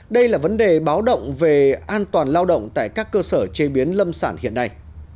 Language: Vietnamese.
đây là vấn đề báo động về an toàn lao động tại các cơ sở chế biến lâm sản hiện nay